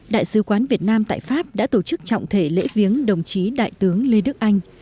đại sứ quán việt nam tại pháp đã tổ chức trọng thể lễ viếng đồng chí đại tướng lê đức anh